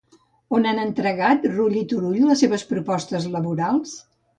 On han entregat Rull i Turull les seves propostes laborals?